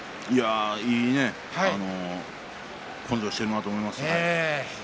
いい根性をしているなと思いました。